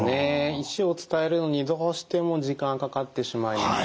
意思を伝えるのにどうしても時間かかってしまいます。